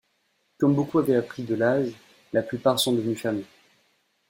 Comme beaucoup avaient pris de l’âge, la plupart sont devenus fermiers.